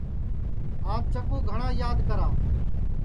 آج چکُو گھٹؔا یاد کرا